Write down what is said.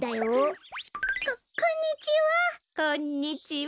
ここんにちは。